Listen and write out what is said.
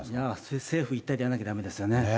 いや、政府一体でやらなきゃだめですよね。